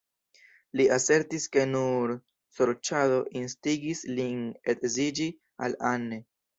Li asertis ke nur sorĉado instigis lin edziĝi al Anne.